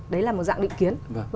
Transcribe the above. đấy là một dạng định kiến